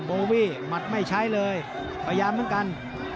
โบวี่หมัดไม่ใช้เลยพยายามเหมือนกัน